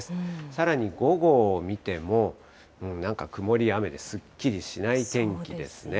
さらに午後を見ても、なんか曇りや雨ですっきりしない天気ですね。